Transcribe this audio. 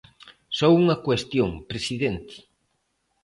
Só unha cuestión, presidente.